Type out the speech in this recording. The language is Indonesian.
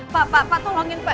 pak pak pak tolongin pak